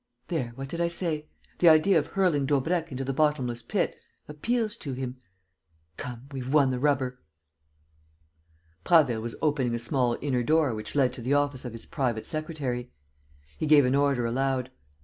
There, what did I say? The idea of hurling Daubrecq into the bottomless pit appeals to him. Come, we've won the rubber." Prasville was opening a small inner door which led to the office of his private secretary. He gave an order aloud: "M.